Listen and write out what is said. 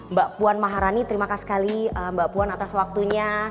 mbak puan maharani terima kasih sekali mbak puan atas waktunya